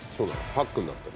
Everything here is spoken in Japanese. パックになってる。